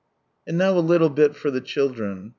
And now a little bit for the children.